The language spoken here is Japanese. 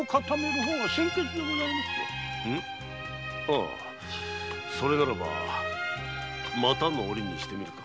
ああそれならばまたの折にしてみるか。